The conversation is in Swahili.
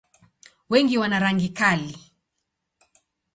Wengi wana rangi kali.